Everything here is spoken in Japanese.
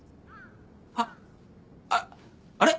はっあっあれ？